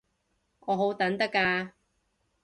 我好等得㗎